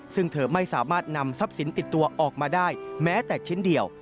ซึ่งเธอไม่สามารถนำทรัพย์สินติดตัวออกมาได้แม้แต่ชิ้นเดียว